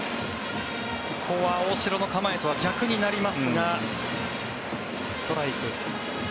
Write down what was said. ここは大城の構えとは逆になりますがストライク。